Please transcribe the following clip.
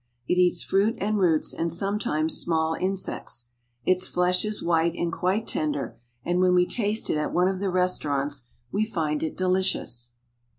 It eats fruit and roots, and some times small in sects. Its flesh is white and quite tender, and when we taste it at one of the restaurants we find it delicious.